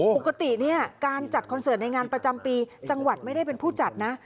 ปกติเนี่ยการจัดคอนเสิร์ตในงานประจำปีจังหวัดไม่ได้เป็นผู้จัดนะ